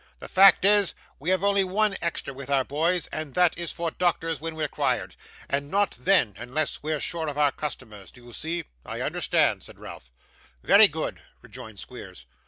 'The fact is, we have only one extra with our boys, and that is for doctors when required and not then, unless we're sure of our customers. Do you see?' 'I understand,' said Ralph. 'Very good,' rejoined Squeers.